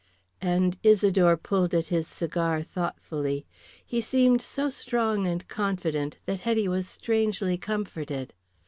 And Isidore pulled at his cigar thoughtfully. He seemed so strong and confident that Hetty was strangely comforted.